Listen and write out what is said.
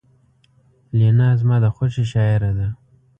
لینا زما د خوښې شاعره ده